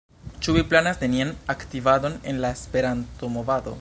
Ĉu vi planas nenian aktivadon en la Esperanto-movado?